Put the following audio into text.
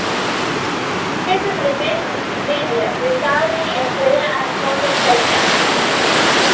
Jesus repeated the procedure, resulting in clear and perfect eyesight.